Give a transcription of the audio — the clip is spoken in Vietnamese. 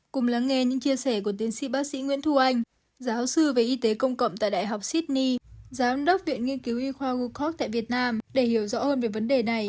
cùng lắng nghe những chia sẻ của tiến sĩ bác sĩ nguyễn thu anh giáo sư về y tế công cộng tại đại học sydney giám đốc viện nghiên cứu y khoa gookork tại việt nam để hiểu rõ hơn về vấn đề này